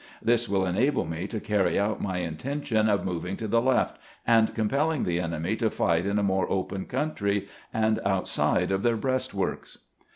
This will enable me to carry out my intention of moving to the left, and compelling the enemy to fight in a more open country and outside of their breastworks."